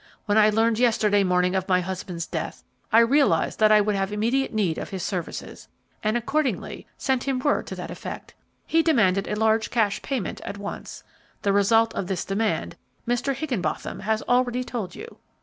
When I learned yesterday morning of my husband's death, I realized that I would have immediate need of his services, and accordingly sent him word to that effect. He demanded a large cash payment at once. The result of this demand Mr. Higgenbotham has already told you."